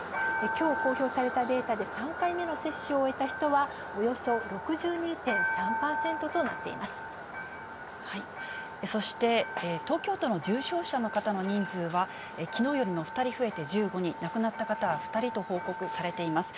きょう公表されたデータで、３回目の接種を終えた人は、そして、東京都の重症者の方の人数は、きのうよりも２人増えて１５人、亡くなった方は２人と報告されています。